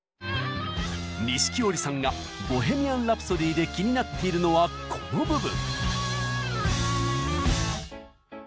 錦織さんが「ボヘミアン・ラプソディ」で気になっているのはこの部分。